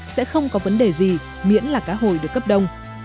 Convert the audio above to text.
sẽ không có vấn đề gì miễn là cá hồi được cấp đông